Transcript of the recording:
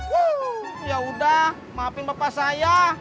wow ya udah maafin bapak saya